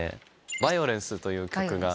『バイオレンス』という曲が。